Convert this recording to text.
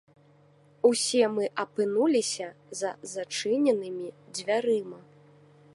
Усе мы апынуліся за зачыненымі дзвярыма.